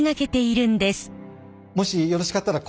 もしよろしかったらはい。